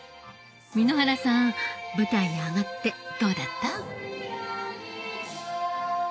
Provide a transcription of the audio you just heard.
簑原さん舞台に上がってどうだった？